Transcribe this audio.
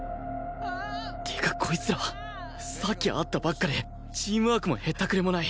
ってかこいつらさっき会ったばっかでチームワークもへったくれもない